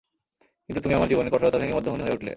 কিন্ত তুমি আমার জীবনের কঠোরতা ভেঙ্গে মধ্যমণি হয়ে উঠলে।